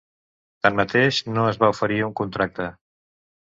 Tanmateix, no es va oferir un contracte.